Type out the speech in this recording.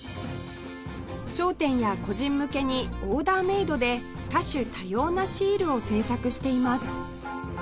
商店や個人向けにオーダーメイドで多種多様なシールを製作しています